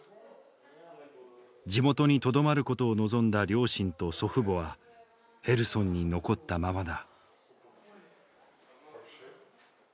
地元にとどまることを望んだ両親と祖父母はヘルソンに残ったままだ。